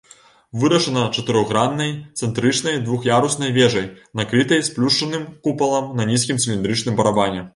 Вырашана чатырохграннай цэнтрычнай двух'яруснай вежай, накрытай сплюшчаным купалам на нізкім цыліндрычным барабане.